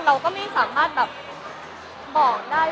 เราก็ไม่สามารถแบบบอกได้